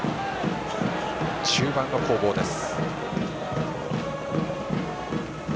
中盤の攻防です。